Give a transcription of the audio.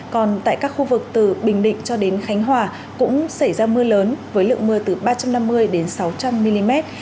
còn tại các khu vực từ bình định cho đến khánh hòa cũng xảy ra mưa lớn với lượng mưa từ ba trăm năm mươi đến sáu trăm linh mm